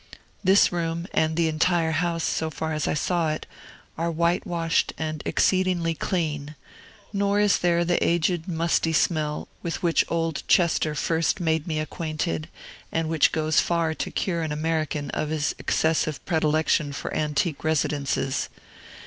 This room, and the entire house, so far as I saw it, are whitewashed and exceedingly clean; nor is there the aged, musty smell with which old Chester first made me acquainted, and which goes far to cure an American of his excessive predilection for antique residences.